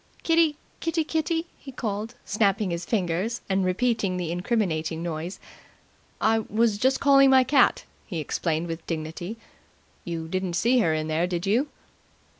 "Kitty, Kitty, Kitty!" he called, snapping his fingers, and repeating the incriminating noise. "I was just calling my cat," he explained with dignity. "You didn't see her in there, did you?"